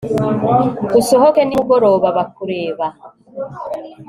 usohoke nimugoroba bakureba